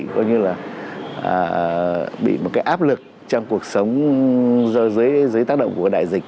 coi như là bị một cái áp lực trong cuộc sống dưới tác động của đại dịch